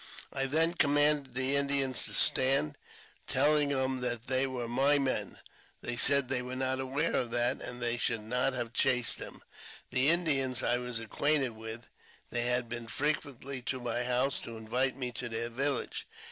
I then commanded the Indians to stand, telling them that they were my men. They said they were not aware of that, or they should not have chased them. The Indians I was acquainted with ; they had been frequently to my house to invite me to their village.